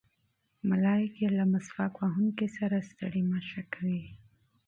ملایکې له مسواک وهونکي سره ستړې مه شي کوي.